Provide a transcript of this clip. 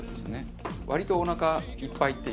割とおなかいっぱいっていう。